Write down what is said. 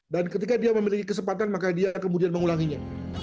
dan ketika dia memiliki kesempatan maka dia kemudian mengulanginya